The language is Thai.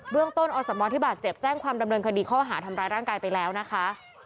เรื่องต้นอสมที่บาดเจ็บแจ้งความดำเนินคดีข้อหาทำร้ายร่างกายไปแล้วนะคะ